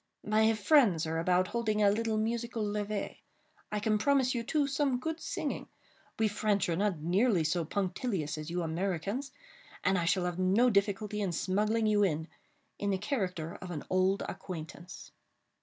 My friends are about holding a little musical levée. I can promise you, too, some good singing. We French are not nearly so punctilious as you Americans, and I shall have no difficulty in smuggling you in, in the character of an old acquaintance."